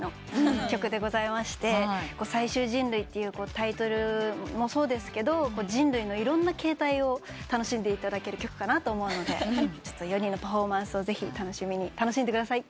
『最終人類』というタイトルもそうですけど人類のいろんな形態を楽しんでいただける曲かなと思うので４人のパフォーマンスをぜひ楽しんでください。